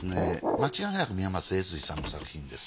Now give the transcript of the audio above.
間違いなく宮松影水さんの作品です。